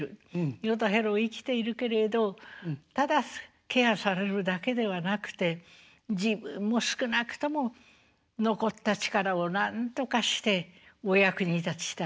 ヨタヘロ生きているけれどただケアされるだけではなくて自分も少なくとも残った力をなんとかしてお役に立ちたい。